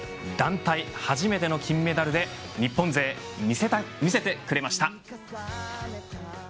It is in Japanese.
団体、初めてのメダルで日本勢、見せてくれました。